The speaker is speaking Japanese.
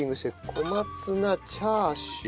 小松菜チャーシュー。